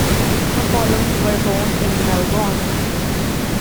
The following were born in Melbourne.